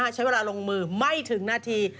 ใช้เวลาลงมือไม่ถึงนาที